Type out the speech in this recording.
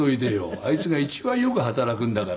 あいつが一番よく働くんだから”」